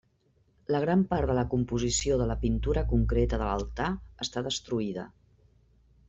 La gran part de la composició de la pintura concreta de l'altar està destruïda.